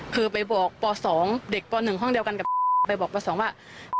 คือไปบอกปสองเด็กปหนึ่งข้างเดียวกันกับไปบอกปสองว่า